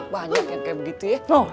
banyak yang kayak begitu ya